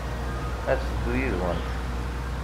Ad teddu yid-went.